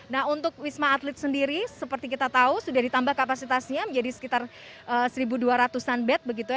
nah untuk wisma atlet sendiri seperti kita tahu sudah ditambah kapasitasnya menjadi sekitar satu dua ratus an bed begitu ya